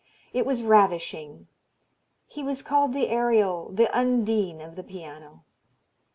It was ravishing. He was called the Ariel, the Undine of the piano.